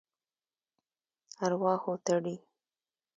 ارواحو تړي.